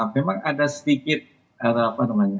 memang ada sedikit arah panjang